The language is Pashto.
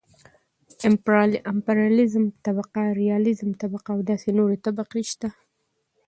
امپرياليزم طبقه ،رياليزم طبقه او داسې نورې طبقې شته .